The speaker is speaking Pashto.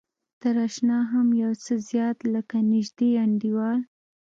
تر اشنا هم يو څه زيات لکه نژدې انډيوال.